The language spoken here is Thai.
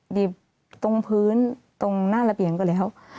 ดิบตรงพื้นตรงหน้าระเบียงก็แล้ว